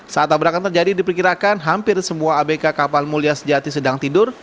saat tabrakan terjadi diperkirakan hampir semua abk kapal mulia sejati sedang tidur